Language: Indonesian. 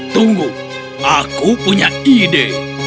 tunggu aku punya ide